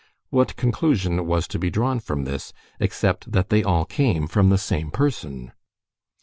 What conclusion was to be drawn from this, except that they all come from the same person?